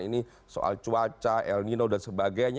ini soal cuaca el nino dan sebagainya